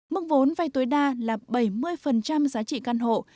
mức vốn vay tối đa là bảy mươi giá trị căn hộ